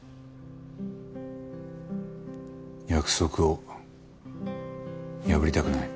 約束を破りたくない。